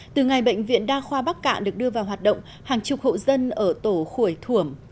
từ ngày bệnh viện đa khoa bắc cạn được đưa vào hoạt động hàng chục hộ dân ở tổ khuổi thủng